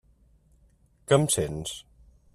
Que em sents?